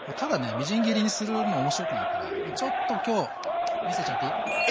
みじん切りにするの面白くないからちょっと今日見せちゃっていい？